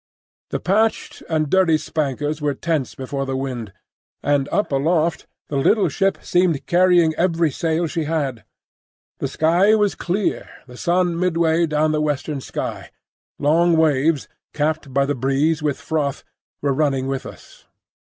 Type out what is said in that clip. The patched and dirty spankers were tense before the wind, and up aloft the little ship seemed carrying every sail she had. The sky was clear, the sun midway down the western sky; long waves, capped by the breeze with froth, were running with us.